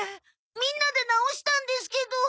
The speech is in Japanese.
みんなで直したんですけど。